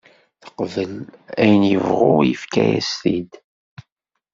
Teqbel ayen yebɣu yefka-as-t-id.